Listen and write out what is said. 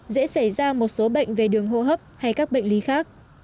dễ xảy ra một số bệnh về đường hô hấp hay các bệnh lý khác